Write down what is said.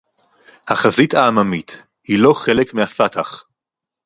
"החזית העממית" היא לא חלק מה"פתח"